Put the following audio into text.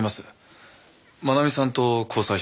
真奈美さんと交際しています。